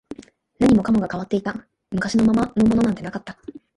何もかもが変わっていた、昔のままのものなんてなかった